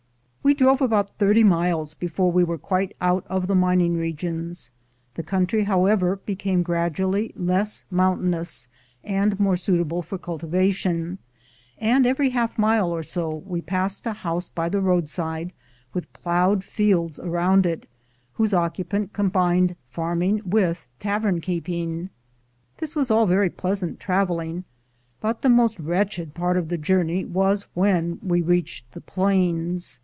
We drove about thirty miles before we were quite out of the mining regions. The country, however, became gradually less mountainous, and more suitable for cultivation, and every half mile or so we passed a house by the roadside, with ploughed fields around it, whose occupant combined farming with tavern keeping. This was all very pleasant traveling, but the most wretched part of the journey was when we reached the plains.